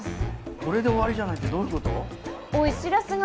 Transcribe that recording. これで終わりじゃないってどういうこと？